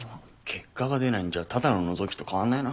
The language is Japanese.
結果が出ないんじゃただの覗きと変わんないな。